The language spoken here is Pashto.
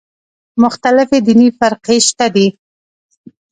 مختلفې دیني فرقې شته دي.